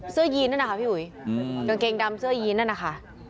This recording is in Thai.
ยีนนั่นนะคะพี่อุ๋ยกางเกงดำเสื้อยีนนั่นนะคะ